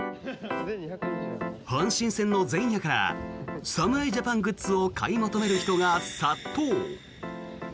阪神戦の前夜から侍ジャパングッズを買い求める人が殺到。